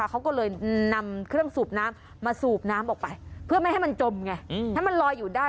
เขาก็เลยนำเครื่องสูบน้ำมาสูบน้ำออกไปเพื่อไม่ให้มันจมไงให้มันลอยอยู่ได้